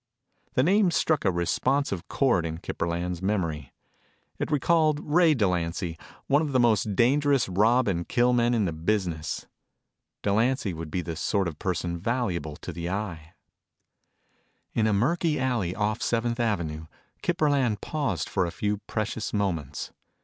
The name struck a responsive cord in Kip Burland's memory. It recalled Ray Delancy, one of the most dangerous rob and kill men in the business. Delancy would be the sort of a person valuable to the Eye. In a murky alley off Seventh Avenue, Kip Burland paused for a few precious moments.